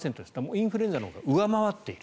インフルエンザのほうが上回っている。